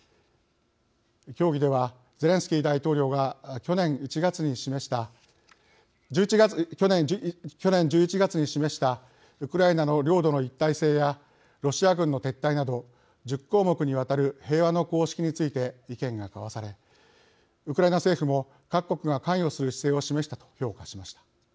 協議ではゼレンスキー大統領が去年１１月に示したウクライナの領土の一体性やロシア軍の撤退など１０項目にわたる平和の公式について意見が交わされウクライナ政府も各国が関与する姿勢を示したと評価しました。